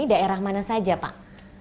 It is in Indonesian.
daerah mana saja pak